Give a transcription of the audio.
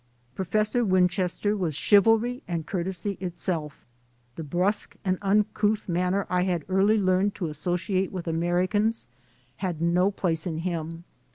Professor Winchester was chivalry and courtesy itself. The brusque and uncouth man ner I had early learned to associate with Americans had no place in him.